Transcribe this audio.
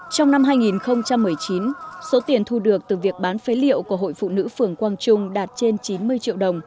trong năm hai nghìn một mươi chín số tiền thu được từ việc bán phế liệu của hội phụ nữ phường quang trung đạt trên chín mươi triệu đồng